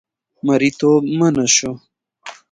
مریتوب منع شو.